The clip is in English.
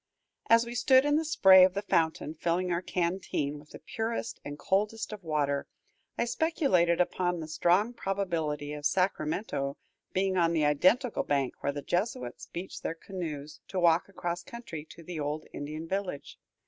As we stood in the spray of the fountain, filling our canteen with the purest and coldest of water, I speculated upon the strong probability of Sacramento being on the identical bank where the Jesuits beached their canoes to walk across country to the old Indian village.